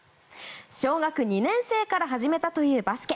小学２年生から始めたというバスケ。